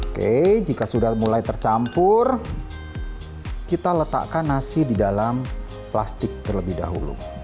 oke jika sudah mulai tercampur kita letakkan nasi di dalam plastik terlebih dahulu